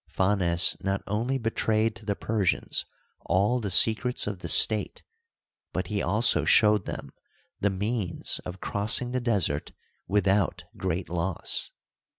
Phanes not only betrayed to the Persians all the secrets of the state, but he also showed them the means of crossing the desert without great loss.